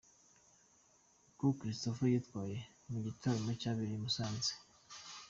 Uko Christopher yitwaye mu gitaramo cyabereye i Musanze.